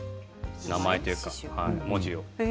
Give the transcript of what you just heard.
名前というか文字を。